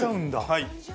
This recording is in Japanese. はい。